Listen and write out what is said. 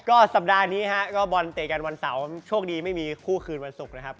ก็สัปดาห์นี้ฮะก็บอลเตะกันวันเสาร์โชคดีไม่มีคู่คืนวันศุกร์นะครับ